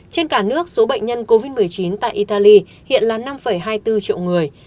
trên cả nước số bệnh nhân covid một mươi chín tại italy hiện là năm hai mươi bốn triệu người